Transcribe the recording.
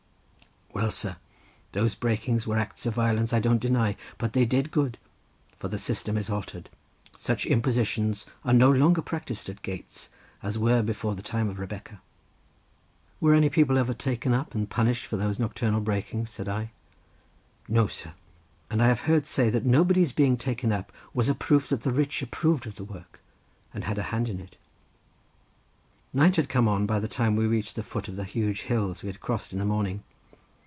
Well, sir, those breakings were acts of violence, I don't deny, but they did good, for the system is altered; such impositions are no longer practised at gates as were before the time of Rebecca." "Were any people ever taken up and punished for those nocturnal breakings?" said I. "No, sir; and I have heard say that nobody's being taken up was a proof that the rich approved of the work and had a hand in it." Night had come on by the time we reached the foot of the huge hills we had crossed in the morning.